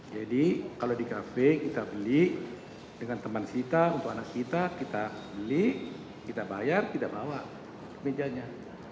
jadi kalau di kafe kita beli dengan teman kita untuk anak kita kita beli kita bayar kita bawa ke mejanya